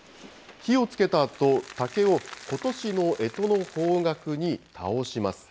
火をつけたあと、竹をことしのえとの方角に倒します。